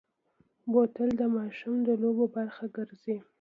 بوتل د ماشومو د لوبو برخه ګرځي.